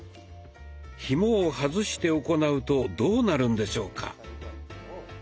ひもを外して行うとどうなるんでしょうか？